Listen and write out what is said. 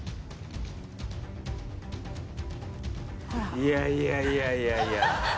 「いやいやいやいやいや」